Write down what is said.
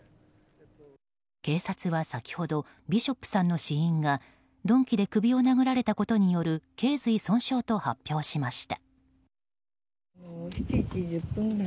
警察は先ほどビショップさんの死因が鈍器で首を殴られたことによる頚椎損傷と発表しました。